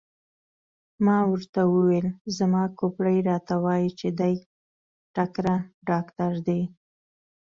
ما ورته وویل: زما کوپړۍ راته وایي چې دی تکړه ډاکټر دی.